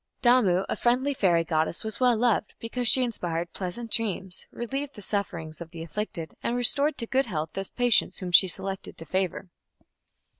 Damu, a friendly fairy goddess, was well loved, because she inspired pleasant dreams, relieved the sufferings of the afflicted, and restored to good health those patients whom she selected to favour.